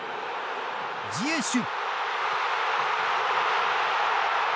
ジエシュ。